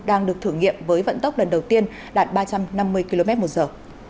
đang được thử nghiệm với vận tốc lần đầu tiên đạt ba trăm năm mươi km một giờ